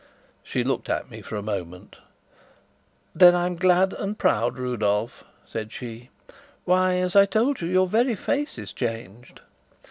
She looked at me for a moment. "Then I'm glad and proud, Rudolf," said she. "Why, as I told you, your very face is changed."